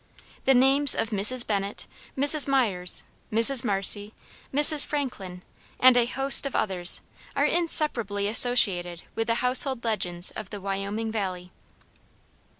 The names of Mrs. Bennet, Mrs. Myers, Mrs. Marcy, Mrs. Franklin, and a host of others, are inseparably associated with the household legends of the Wyoming Valley.